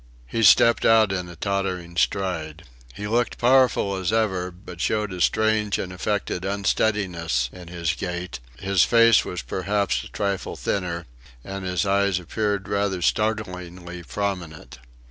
He stepped out in a tottering stride. He looked powerful as ever, but showed a strange and affected unsteadiness in his gait; his face was perhaps a trifle thinner, and his eyes appeared rather startlingly prominent.